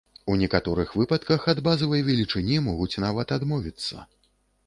У некаторых выпадках ад базавай велічыні могуць нават адмовіцца.